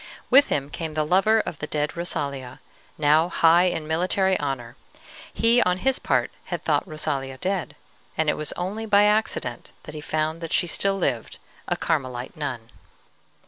With him came the lover of the dead Rosalia, now high in military honor. He on his part had thought Rosalia dead, and it was only by accident that he found that she still lived, a Carmelite nun.